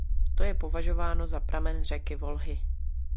To je považováno za pramen řeky Volhy.